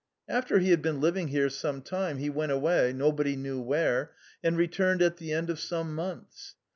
After he had been living here some time, he went away, nobody knew where, and returned at the end of some months.